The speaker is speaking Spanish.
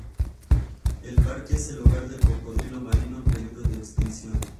El parque es el hogar del cocodrilo marino en peligro de extinción.